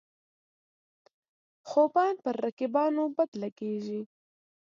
خوبان پر رقیبانو بد لګيږي.